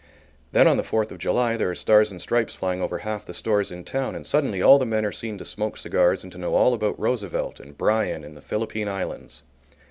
Then on the Fourth of July there are stars and stripes flying over half the stores in town, and suddenly all the men are seen to smoke cigars, and to know all about Roosevelt and Bryan and the Philippine Islands.